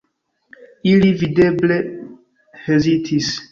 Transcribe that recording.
Ili videble hezitis.